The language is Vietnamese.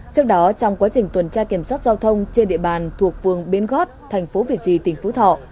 trước đó trong quá trình tuần tra kiểm soát giao thông trên địa bàn thuộc phường bến gót thành phố việt trì tỉnh phú thọ